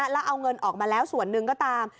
แล้วเอาเงินออกมาแล้วส่วนหนึ่งก็ตาม